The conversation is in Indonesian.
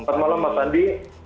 selamat malam mbak andi